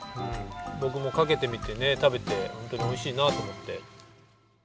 ぼくもかけてみてね食べてホントにおいしいなとおもって。